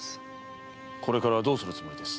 これからどうするつもりです？